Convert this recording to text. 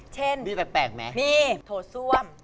เช่นโถส้วน